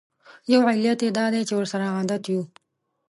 یو علت یې دا دی چې ورسره عادت یوو.